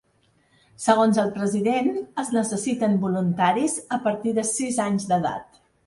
Segons el president es necessiten voluntaris a partir de sis anys d’edat.